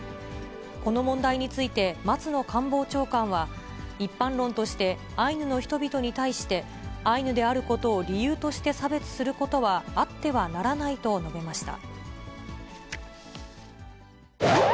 この問題について、松野官房長官は、一般論として、アイヌの人々に対して、アイヌであることを理由として差別することは、あってはならないと述べました。